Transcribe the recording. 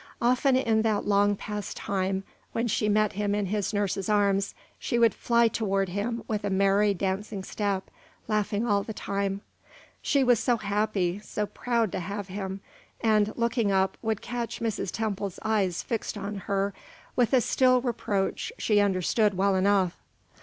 Often in that long past time, when she met him in his nurse's arms, she would fly toward him with a merry, dancing step, laughing all the time she was so happy, so proud to have him and, looking up, would catch Mrs. Temple's eyes fixed on her with a still reproach she understood well enough.